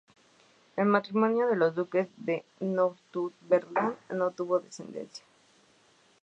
El matrimonio de los duques de Northumberland no tuvo descendencia.